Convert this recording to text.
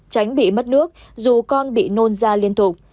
tránh bị mất nước dù con bị nôn da liên tục